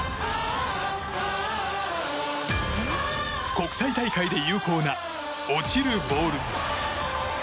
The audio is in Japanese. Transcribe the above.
国際大会で有効な落ちるボール。